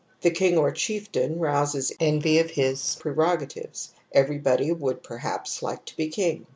The king or chieftain rouses envy of his pre rogatives ; everybody would perhaps like to be king.